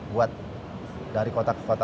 buat dari kota ke kota